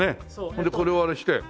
ほんでこれをあれして。